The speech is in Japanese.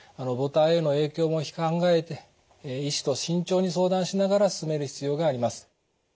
母体への影響も考えて医師と慎重に相談しながら進める必要があります。